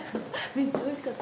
めっちゃおいしかった。